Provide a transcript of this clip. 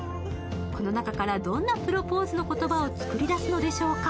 この中からどんなプロポーズの言葉を作り出すんでしょうか。